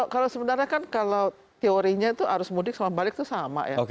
kalau sebenarnya kan kalau teorinya itu arus mudik sama balik itu sama ya